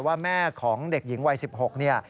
ว่าแม่ของเด็กหญิงวัย๑๖เนี่ย